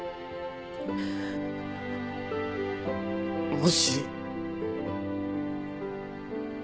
もし。